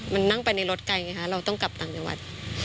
มันนั่งไปในรถไกลไงคะเราต้องกลับต่างจังหวัด